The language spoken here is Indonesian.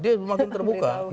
dia semakin terbuka